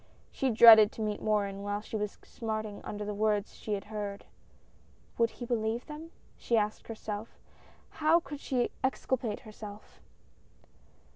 She dreaded to meet Morin while she was smarting under the words she had heard. "Would he believe them?" she asked herself. How could she exculpate herself?